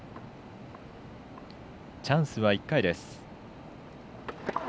チャンスは１回です。